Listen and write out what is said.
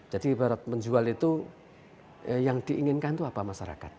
jadi barut menjual itu yang diinginkan itu apa masyarakat